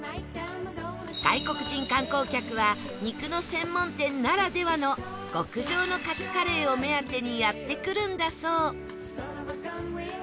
外国人観光客は肉の専門店ならではの極上のカツカレーを目当てにやって来るんだそう